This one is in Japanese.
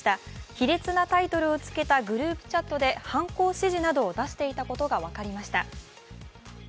卑劣なタイトルをつけたグループチャットで犯行指示などを出していたことが分かりました